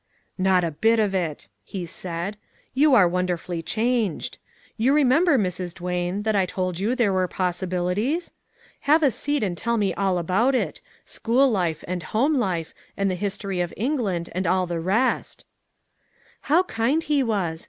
" Not a bit of it !" he said, " you are won derfully changed. You remember, Mrs. Duane, that I told you there were possibilities ? Have a seat and tell me all about it school life, and home life, and the history of England, and all the rest" How kind he was!